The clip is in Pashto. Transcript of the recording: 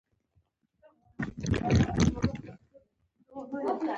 د خپلو اهدافو لپاره هڅې کوئ.